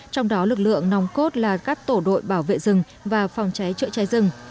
trong đó lực lượng nòng cốt là các tổ đội bảo vệ rừng và phòng cháy chữa cháy rừng